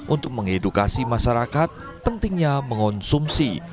untuk mengedukasi masyarakat pentingnya mengonsumsi